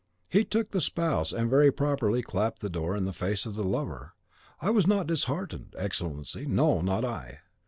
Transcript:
She took the spouse, and very properly clapped the door in the face of the lover. I was not disheartened, Excellency; no, not I.